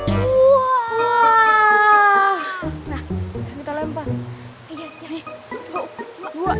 ini pasti kamu iseng ya